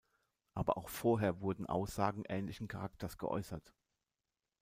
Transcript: Aber auch vorher wurden Aussagen ähnlichen Charakters geäußert.